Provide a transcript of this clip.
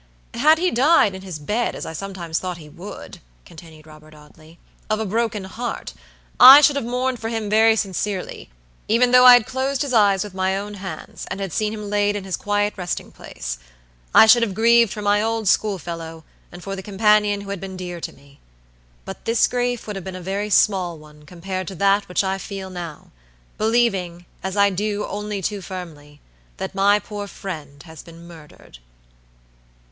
"Had he died in his bed, as I sometimes thought he would," continued Robert Audley, "of a broken heart, I should have mourned for him very sincerely, even though I had closed his eyes with my own hands, and had seen him laid in his quiet resting place. I should have grieved for my old schoolfellow, and for the companion who had been dear to me. But this grief would have been a very small one compared to that which I feel now, believing, as I do only too firmly, that my poor friend has been murdered."